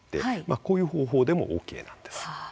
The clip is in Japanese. こういう方法でもＯＫです。